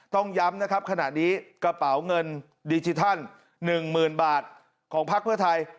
ต้องย้ำนะครับขณะนี้กระเป๋าเงินดิจิทัล๑๐๐๐บาทของพักเพื่อไทย